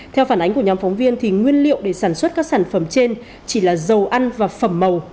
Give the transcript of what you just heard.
theo phản ánh của nhóm phóng viên nguyên liệu để sản xuất các sản phẩm trên chỉ là dầu ăn và phẩm màu